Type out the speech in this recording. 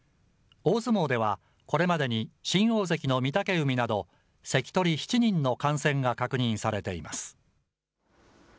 大相撲ではこれまでに新大関の御嶽海など、関取７人の感染が確認されています。